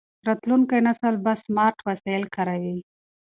راتلونکی نسل به سمارټ وسایل کاروي.